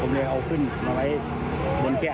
ผมเลยเอาขึ้นมาไว้บนแก้ว